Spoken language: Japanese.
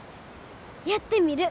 やってみる。